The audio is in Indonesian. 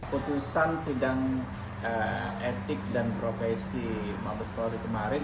putusan sidang etik dan profesi mabes polri kemarin